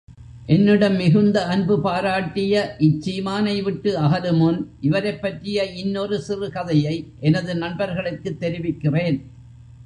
என்னிடம் மிகுந்த அன்பு பாராட்டிய இச்சீமானை விட்டு அகலுமுன் இவரைப்பற்றிய இன்னொரு சிறு கதையை எனது நண்பர்களுக்குத் தெரிவிக்கிறேன்.